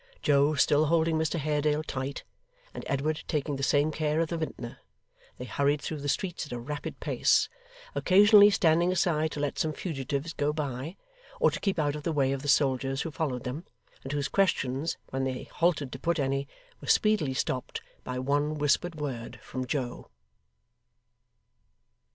Joe still holding Mr Haredale tight, and Edward taking the same care of the vintner, they hurried through the streets at a rapid pace; occasionally standing aside to let some fugitives go by, or to keep out of the way of the soldiers who followed them, and whose questions, when they halted to put any, were speedily stopped by one whispered word from Joe.